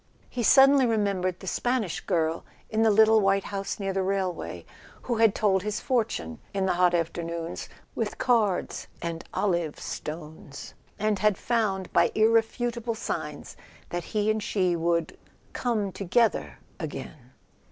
He suddenly remembered the Spanish girl in the little white house near the railway, who had told his fortune in the hot afternoons with cards and olive stones, and had found, by irrefutable signs, that he and she would "come together" again.